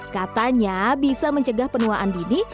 katanya bisa mencegah penuaan dini